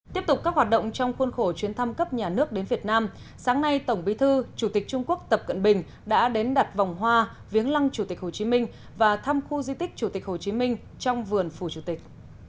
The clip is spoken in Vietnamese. tiếp tục các hoạt động trong khuôn khổ chuyến thăm cấp nhà nước đến việt nam sáng nay tổng bí thư chủ tịch trung quốc tập cận bình đã đến đặt vòng hoa viếng lăng chủ tịch hồ chí minh và thăm khu di tích chủ tịch hồ chí minh trong vườn phủ chủ tịch